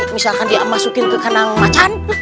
misalkan dia masukin ke kandang macan